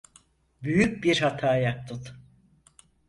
Büyük bir hata yaptın.